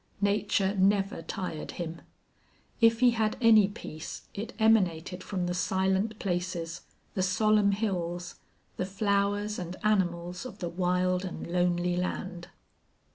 Nature never tired him. If he had any peace it emanated from the silent places, the solemn hills, the flowers and animals of the wild and lonely land.